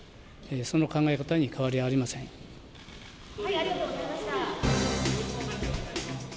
その考え方に変わりはありません。